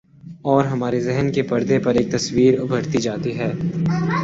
اورہمارے ذہن کے پردے پر ایک تصویر ابھرتی جاتی ہے۔